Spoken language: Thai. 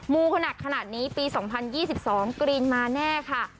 ูเขาหนักขนาดนี้ปี๒๐๒๒กรีนมาแน่ค่ะ